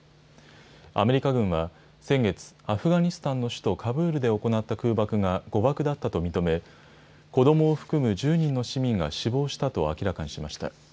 アメリカ軍は先月、アフガニスタンの首都カブールで行った空爆が誤爆だったと認め、子どもを含む１０人の市民が死亡したと明らかにしました。